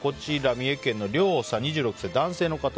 三重県の２６歳男性の方。